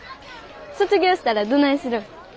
卒業したらどないするん？